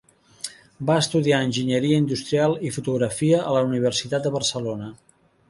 Va estudiar enginyeria industrial i fotografia a la Universitat de Barcelona.